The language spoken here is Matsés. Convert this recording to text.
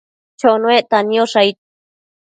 Chonuecta niosh aid ?